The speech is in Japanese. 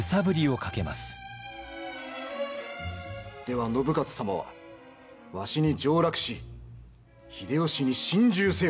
では信雄様はわしに上洛し秀吉に臣従せよと？